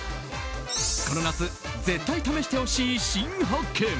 この夏絶対試してほしい新発見。